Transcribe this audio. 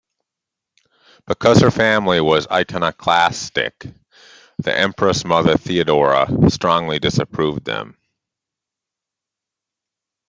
Because her family was iconoclastic, the Empress Mother Theodora strongly disapproved of them.